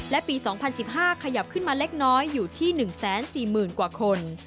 และปี๒๐๑๕ขยับขึ้นมาเล็กน้อยอยู่ที่๑๔๐๐๐กว่าคน